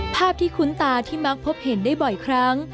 ภาพที่คุ้นตาที่มักพบเห็นได้บ่อยครั้ง